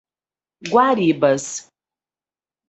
Guaribas